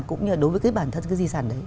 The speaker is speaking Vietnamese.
cũng như đối với bản thân di sản đấy